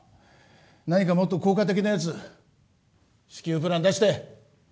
何か、もっと効果的なやつ至急プラン出して。